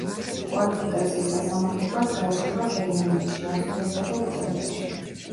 კვალიფიკაციის ასამაღლებლად გაეშურა გერმანიაში, ავსტრიასა და იტალიაში.